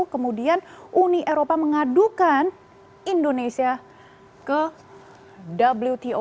kemudian uni eropa mengadukan indonesia ke wto